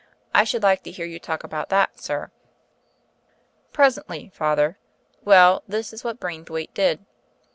"I should like to hear you talk about that, sir." "Presently, father.... Well, this is what Braithwaite did.